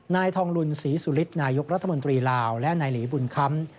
นายทองลุนศรีสุฤทธินายกรัฐมนตรีลาวและนายหลีบุญค้ำ